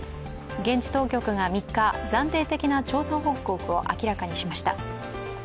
現地当局が３日、暫定的な調査報告を明らかにしました。